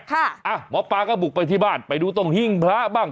หมอปลาก็บุกไปที่บ้านไปดูตรงหิ้งพระบ้าง